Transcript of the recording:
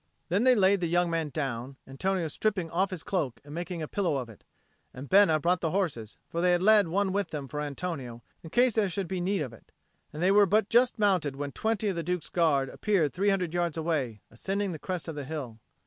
Then they laid the young man down, Antonio stripping off his cloak and making a pillow of it; and Bena brought the horses, for they had led one with them for Antonio, in case there should be need of it; and they were but just mounted when twenty of the Duke's Guard appeared three hundred yards away, ascending the crest of the hill.